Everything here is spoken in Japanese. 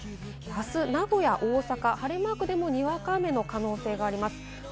あす、名古屋、大阪、晴れマークでもにわか雨の可能性があります。